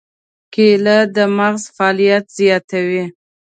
کېله د مغز فعالیت زیاتوي.